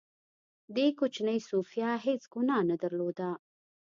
دې کوچنۍ سوفیا هېڅ ګناه نه درلوده